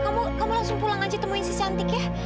kamu langsung pulang aja temuin si cantik ya